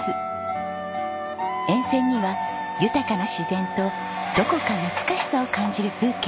沿線には豊かな自然とどこか懐かしさを感じる風景。